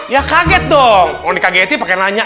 ya kaget dong mau dikagetin pake nanya